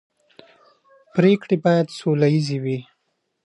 پرېکړې باید سوله ییزې وي